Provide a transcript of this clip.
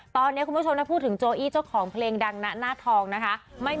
ตอนนี้คุณผู้ชมถ้าพูดถึงโจอี้เจ้าของเพลงดังนะหน้าทองนะคะ